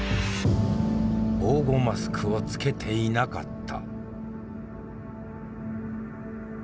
防護マスクをつけていなかった。